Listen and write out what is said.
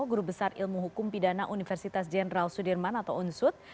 guru besar ilmu hukum pidana universitas jenderal sudirman atau unsud